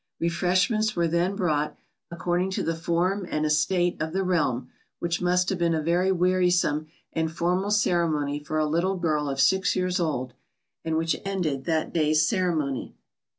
Refreshments were then brought "according to the form and estate of the realm," which must have been a very wearisome and formal ceremony for a little girl of six years old, and which ended that day's ceremony.